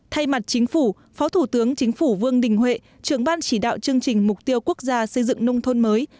thay mặt chính phủ phó thủ tướng chính phủ vương đình huệ trưởng ban chỉ đạo chương trình mục tiêu quốc gia xây dựng nông thôn mới